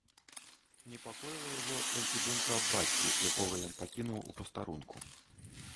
Непакоіла яго толькі думка аб бацьку, якога ён пакінуў у пастарунку.